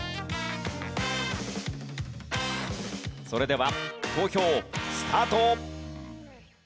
それでは投票スタート！